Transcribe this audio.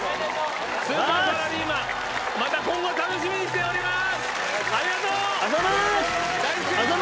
スーパーサラリーマン、また今後、楽しみにしております。